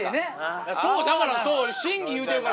そうだからそう「審議」言うてるから。